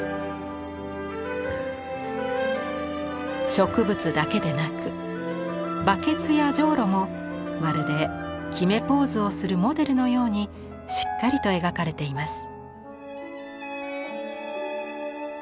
植物だけでなくバケツやジョウロもまるで決めポーズをするモデルのようにしっかりと描かれています。